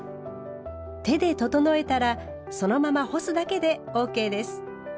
手で整えたらそのまま干すだけでＯＫです。